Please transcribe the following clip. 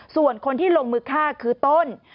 ส่วนคนที่ลงมือฆ่าคือต้น